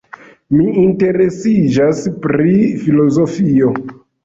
Mi interesiĝas pri filozofio.